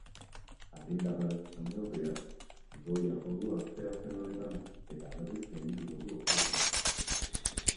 Argindarraren salneurriak goia jo du asteazken honetan, eta berriz gaindituko du ostegunean.